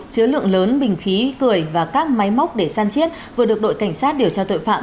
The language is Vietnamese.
chứa lượng lớn bình khí cười và các máy móc để săn chiết vừa được đội cảnh sát điều tra tội phạm